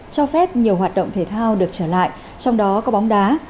cho phép nhiều hoạt động thể thao được trở lại trong đó có bóng đá